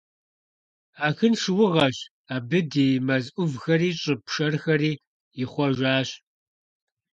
Ахын шыугъэщ, абы ди мэз Ӏувхэри щӀы пшэрхэри ихъуэжащ.